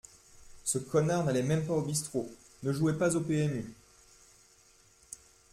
Ce connard n’allait même pas au bistrot, ne jouait pas au PMU